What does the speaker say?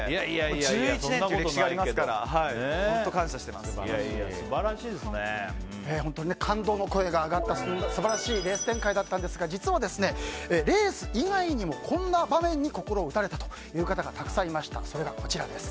１１年という歴史がありますから感動の声が上がった素晴らしいレース展開だったんですが実はレース以外にもこんな場面に心を打たれたという方がたくさんいました。